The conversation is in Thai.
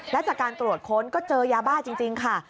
และจากการตรวจค้นก็เจอยาบ้าจริงค่ะ